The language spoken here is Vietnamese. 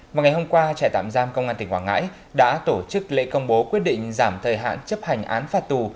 vào ngày hôm qua trại tạm giam công an tỉnh quảng ngãi đã tổ chức lễ công bố quyết định giảm thời hạn chấp hành án phạt tù